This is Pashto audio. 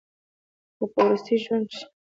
خو پۀ وروستي ژوند کښې